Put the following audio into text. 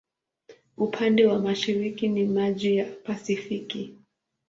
Upande wa mashariki ni maji ya Pasifiki.